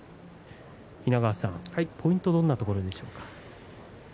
稲川さん、ポイントはどんなところでしょうか？